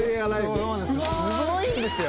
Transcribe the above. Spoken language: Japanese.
すごいんですよ！